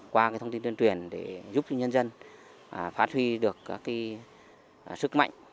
qua thông tin truyền truyền để giúp cho nhân dân phát huy được các sức mạnh